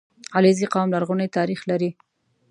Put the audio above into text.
• علیزي قوم لرغونی تاریخ لري.